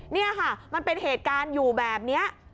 นี่ค่ะมันเป็นเหตุการณ์อยู่แบบนี้